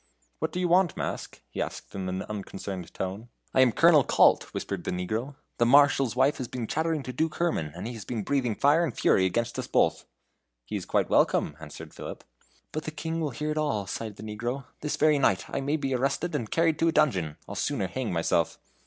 "What do you want, mask?" he asked, in an unconcerned tone. "I am Colonel Kalt," whispered the negro. "The Marshal's wife has been chattering to Duke Herman, and he has been breathing fire and fury against us both." "He is quite welcome," answered Philip. "But the King will hear it all," sighed the negro. "This very night I may be arrested and carried to a dungeon; I'll sooner hang myself."